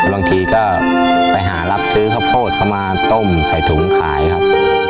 บางทีก็ไปหารับซื้อข้าวโพดเข้ามาต้มใส่ถุงขายครับ